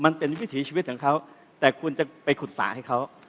วิถีชีวิตของเขาแต่คุณจะไปขุดสาให้เขา